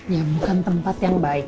ya bukan tempat yang baik